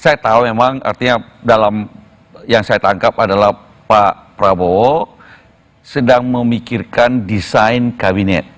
saya tahu memang artinya dalam yang saya tangkap adalah pak prabowo sedang memikirkan desain kabinet